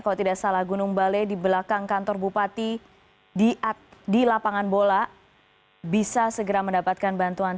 kalau tidak salah gunung balai di belakang kantor bupati di lapangan bola bisa segera mendapatkan bantuan